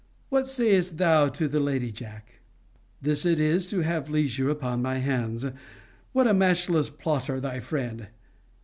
What sayest thou to the lady, Jack? This it is to have leisure upon my hands! What a matchless plotter thy friend!